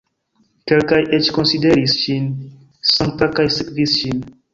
Kelkaj eĉ konsideris ŝin sankta kaj sekvis ŝin.